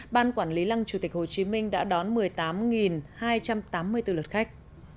ban quản lý lăng chủ tịch hồ chí minh đã đón một mươi tám hai trăm tám mươi bốn lượt khách